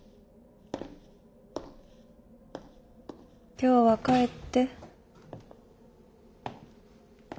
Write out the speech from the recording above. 今日は帰って。